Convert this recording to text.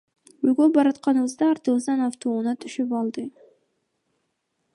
Үйгө баратканыбызда артыбыздан автоунаа түшүп алды.